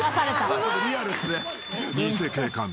［偽警官。